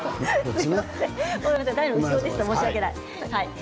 台の後ろでした、申し訳ない。